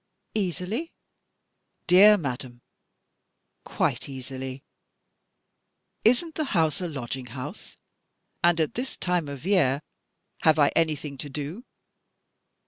"Easily?" "Dear madam, quite easily. Isn't the house a lodging house; and, at this time of year, have I anything to do?"